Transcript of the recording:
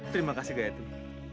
terima kasih gayatri